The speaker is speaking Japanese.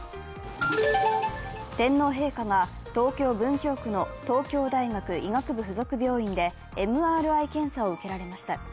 天皇陛下は東京・文京区の東京大学医学部附属病院でＭＲＩ検査を受けられました。